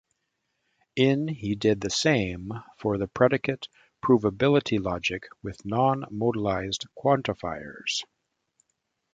In he did the same for the predicate provability logic with non-modalized quantifiers.